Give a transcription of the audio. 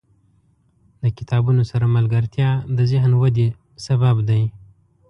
• د کتابونو سره ملګرتیا، د ذهن ودې سبب دی.